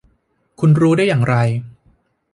คุณรู้ได้อย่างไร